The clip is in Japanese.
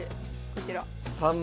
こちら。